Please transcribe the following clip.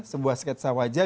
sebuah sketsa wajah